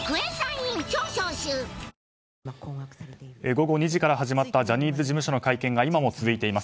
午後２時から始まったジャニーズ事務所の会見が今も続いています。